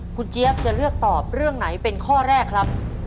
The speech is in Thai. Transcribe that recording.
คุณเจี๊ยบจะเลือกตอบเรื่องไหนเป็นข้อแรกครับ